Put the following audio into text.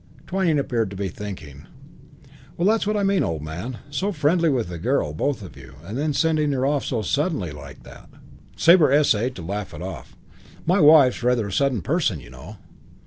Twyning appeared to be thinking. "Well, that's what I mean, old man. So friendly with the girl both of you and then sending her off so suddenly like that." Sabre essayed to laugh it off. "My wife's rather a sudden person, you know."